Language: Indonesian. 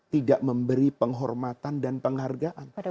tidak memberi penghormatan dan penghargaan